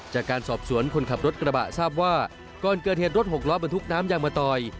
จากการสอบสวนคนขับรถกระบะทราบว่าก่อนเกิดเหตุรถหกล้อบรรทุกน้ำยางมะตอย